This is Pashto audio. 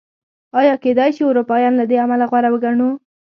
ایا کېدای شي اروپایان له دې امله غوره وګڼو؟